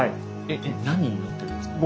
えっ何に乗ってるんですか？